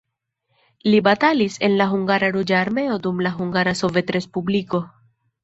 Li batalis en la hungara Ruĝa Armeo dum la Hungara sovetrespubliko.